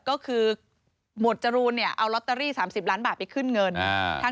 ก็คือหมวดจรูนเนี่ยเอาลอตเตอรี่๓๐ล้านบาทไปขึ้นเงิน